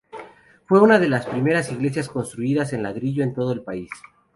Fue una de las primeras iglesias construidas en ladrillo en todo el país.